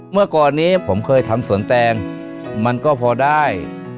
เมื่อก่อนนี้ผมเคยทำสวนแตงมันก็พอได้